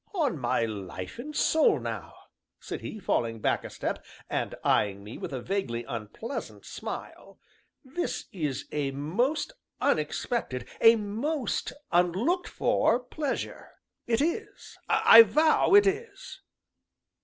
"On my life and soul, now!" said he, falling back a step, and eyeing me with a vaguely unpleasant smile, "this is a most unexpected a most unlooked for pleasure; it is I vow it is."